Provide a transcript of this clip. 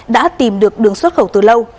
đã tìm được đường xuất khẩu từ lâu